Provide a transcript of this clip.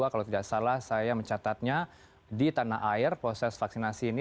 kalau tidak salah saya mencatatnya di tanah air proses vaksinasi ini